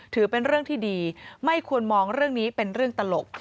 ถือเป็นเรื่องที่ดีไม่ควรมองเรื่องนี้เป็นเรื่องตลก